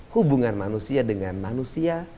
hubungan manusia dengan manusia